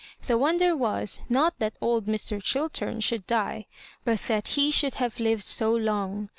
The wonder was, not that old Mr. Chiltem should die, but that he should have lived so long.